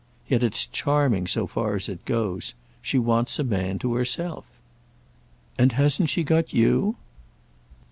Yet it's charming so far as it goes. She wants a man to herself." "And hasn't she got _you?